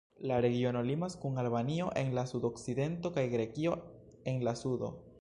La regiono limas kun Albanio en la sudokcidento kaj Grekio en la sudo.